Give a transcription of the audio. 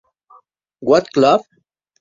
What club?